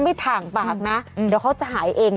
ถ่างปากนะเดี๋ยวเขาจะหายเอง